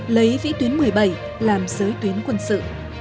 lấy vĩ tuyến một mươi bảy làm giới tuyến quân sự